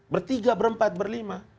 bertiga berempat berlima